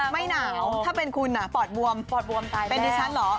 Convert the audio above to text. ไม่น้าวถ้าเป้นคุณนะฟอร์ดบวมเป็นดิชันเหรอ